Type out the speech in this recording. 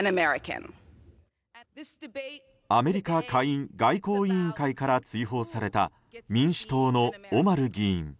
アメリカ下院外交委員会から追放された民主党のオマル議員。